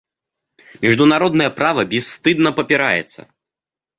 Международное право бесстыдно попирается.